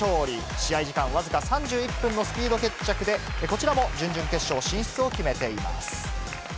試合時間僅か３１分のスピード決着で、こちらも準々決勝進出を決めています。